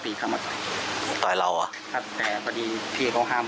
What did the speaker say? พี่พูดอย่างนี้ไม่ได้นะครับ